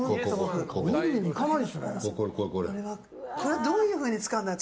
これはどういうふうに使うんだろう？